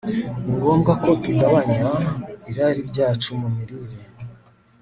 ni ngombwa ko tugabanya irari ryacu mu mirire